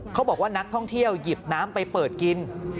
เขาบอกว่านักท่องเที่ยวหยิบน้ำไปเปิดกิน